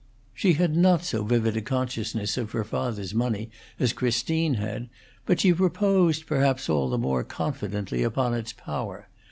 She had not so vivid a consciousness of her father's money as Christine had; but she reposed perhaps all the more confidently upon its power.